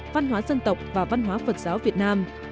văn hóa dân tộc và văn hóa phật giáo việt nam